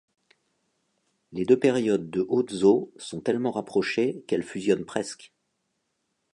Les deux périodes de hautes eaux sont tellement rapprochées qu'elles fusionnent presque.